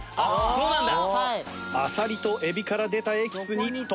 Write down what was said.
そうなんだ。